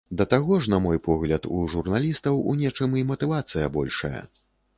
Да таго ж, на мой погляд, у журналістаў у нечым і матывацыя большая.